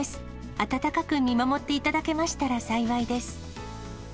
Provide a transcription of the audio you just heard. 温かく見守っていただけましたら幸いです。